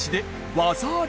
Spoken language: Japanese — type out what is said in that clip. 技あり！